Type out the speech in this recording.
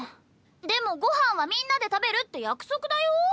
でもご飯はみんなで食べるって約束だよ。